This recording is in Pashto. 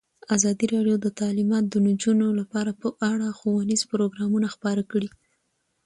ازادي راډیو د تعلیمات د نجونو لپاره په اړه ښوونیز پروګرامونه خپاره کړي.